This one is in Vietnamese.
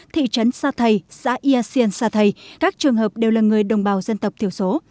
thị trấn sa thầy xã yersin sa thầy các trường hợp đều là người đồng bào dân tộc thiểu số